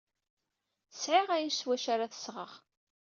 Sɛiɣ ayen s wacu ara t-sɣeɣ.